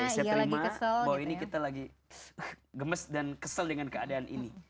saya terima bahwa ini kita lagi gemes dan kesel dengan keadaan ini